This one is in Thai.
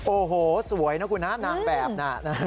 โอ้โหสวยนะคุณฮะนางแบบน่ะ